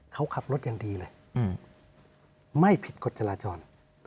เขาขับรถอย่างดีเลยไม่ผิดกฎจราจร